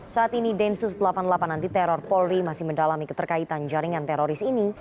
saat ini densus delapan puluh delapan anti teror polri masih mendalami keterkaitan jaringan teroris ini